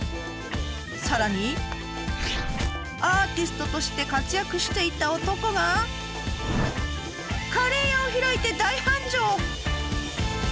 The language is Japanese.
さらにアーティストとして活躍していた男がカレー屋を開いて大繁盛！